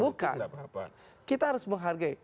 bukan kita harus menghargai